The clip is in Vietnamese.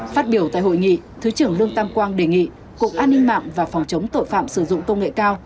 phát biểu tại hội nghị thứ trưởng lương tam quang đề nghị cục an ninh mạng và phòng chống tội phạm sử dụng công nghệ cao